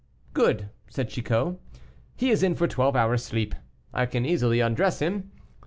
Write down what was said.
"Good," said Chicot, "he is in for twelve hours sleep. I can easily undress him."